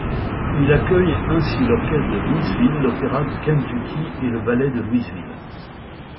Il accueille ainsi l'orchestre de Louisville, l'opéra du Kentucky et le ballet de Louisville.